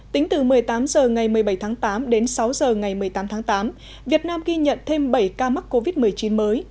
tính từ một mươi tám h ngày một mươi bảy tháng tám đến sáu h ngày một mươi tám tháng tám việt nam ghi nhận thêm bảy ca mắc covid một mươi chín mới